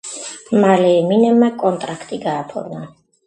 მალე ემინემმა კონტრაქტი გააფორმა.